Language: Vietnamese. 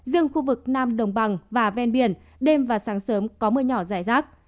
riêng khu vực nam đồng bằng và ven biển đêm và sáng sớm có mưa nhỏ rải rác